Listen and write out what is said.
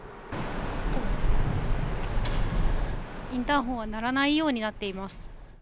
インターホンは鳴らないようになっています。